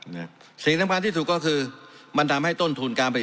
นะสิ่งสำคัญที่สุดก็คือมันทำให้ต้นทุนการผลิต